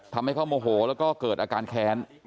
ทำให้เขาโมโหแล้วก็เกิดอาการแค้น